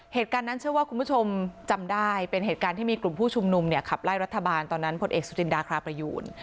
เหตุการณ์นั้นเชื่อว่าคุณผู้ชมจำได้เป็นเหตุการณ์ที่มีกลุ่มผู้ชุมนุมเนี่ยขับไล่รัฐบาลตอนนั้นผลเอกสุจินดาคราประยูน